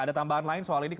ada tambahan lain soal ini